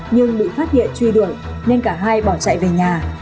nhưng bị phát hiện truy đuổi nên cả hai bỏ chạy về nhà